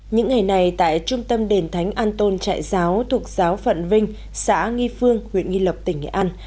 những ngày này tại trung tâm đền thánh an tôn trại giáo thuộc giáo phận vinh xã nghi phương huyện nghi lộc tỉnh nghệ an